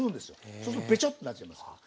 そうするとベチョってなっちゃいますから。